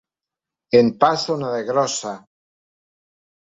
En passa una de grossa!